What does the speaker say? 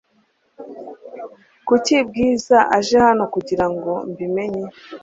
Kuki Bwiza aje hano kugirango mbi menye